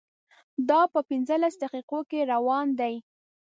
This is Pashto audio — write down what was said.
دا په پنځلس دقیقو کې روان دی.